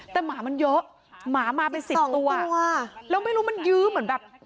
แต่หมามันเยอะหมามาเป็นสิบตัวแล้วไม่รู้มันยื้อเหมือนแบบ